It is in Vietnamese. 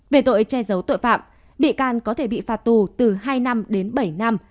về tội che giấu tội phạm bị can có thể bị phạt tù từ hai năm đến bảy năm